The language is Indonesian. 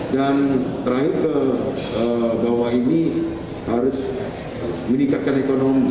dan terakhir bahwa ini harus meningkatkan ekonomi